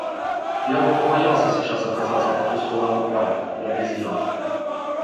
Я бы побоялся сейчас оказаться по ту сторону Альп у обезьян.